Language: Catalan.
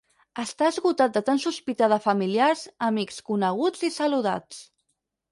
Està esgotat de tant sospitar de familiars, amics, coneguts i saludats.